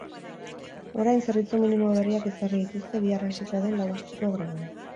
Orain, zerbitzu minimo berriak ezarri dituzte bihar hasiko den lau asteko greban.